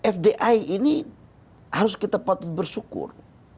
fdi ini harus kita patut bersyukur